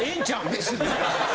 別に。